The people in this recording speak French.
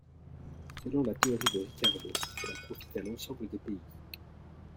Selon la théorie de Ricardo, cela profite à l'ensemble des pays.